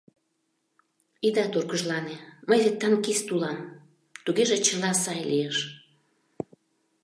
— Ида тургыжлане, мый вет танкист улам — тугеже чыла сай лиеш.